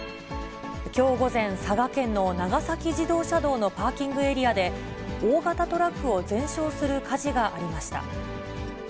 きょう午前、佐賀県の長崎自動車道のパーキングエリアで、大型トラックを全焼する火事がありました。